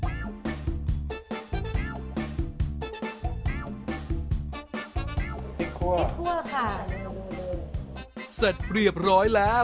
พริกครัวพริกครัวค่ะเสร็จเรียบร้อยแล้ว